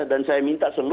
dan saya minta sebagiannya